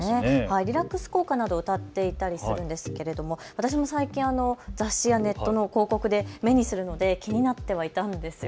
リラックス効果などをうたっていたりするんですけれども私も最近、雑誌やネットの広告で目にするので気になってはいたんです。